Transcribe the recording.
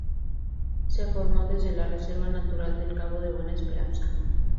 Se formó desde la Reserva Natural del Cabo de Buena Esperanza.